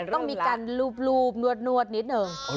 ต้องมีการลูบนวดนิดนึง